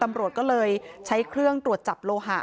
ตำรวจก็เลยใช้เครื่องตรวจจับโลหะ